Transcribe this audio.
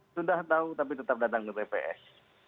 sudah tahu tapi tetap datang ke tps